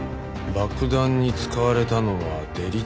爆弾に使われたのはデリタニウム。